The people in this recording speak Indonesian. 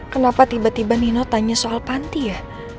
kenapa tiba tiba nino tanya soal panti ya